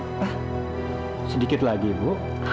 sudah sedikit lagi ibu